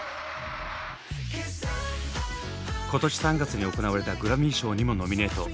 今年３月に行われたグラミー賞にもノミネート！